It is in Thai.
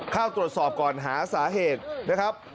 เข้าตรวจสอบก่อนหาสาเหตุนะครับ